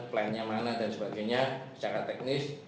plannya mana dan sebagainya secara teknis